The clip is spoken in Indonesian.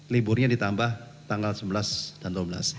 liburnya ditambah tanggal sebelas dan dua belas